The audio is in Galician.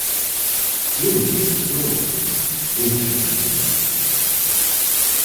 Plúmbeo ¿non?, ¿ou chumbizo?